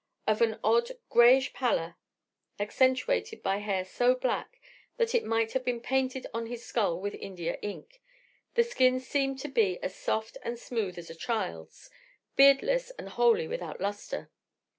Of an odd grayish pallor accentuated by hair so black that it might have been painted on his skull with india ink, the skin seemed to be as soft and smooth as a child's, beardless and wholly without lustre.